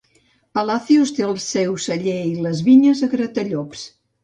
Palacios té el seu celler i les vinyes a Gratallops.